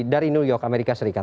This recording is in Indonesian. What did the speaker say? dari new york amerika serikat